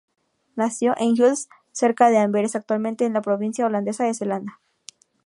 Nació en Hulst cerca de Amberes, actualmente en la provincia holandesa de Zelanda.